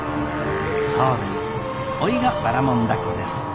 そうですおいがばらもん凧です。